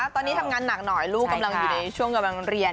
ตอนนี้ทำงานหนักหน่อยลูกกำลังอยู่ในช่วงกำลังเรียน